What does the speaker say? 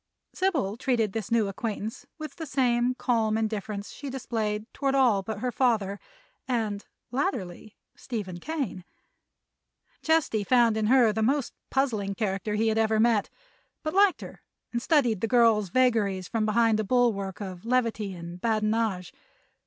Sybil treated this new acquaintance with the same calm indifference she displayed toward all but her father and, latterly, Stephen Kane. Chesty found in her the most puzzling character he had ever met, but liked her and studied the girl's vagaries from behind a bulwark of levity and badinage.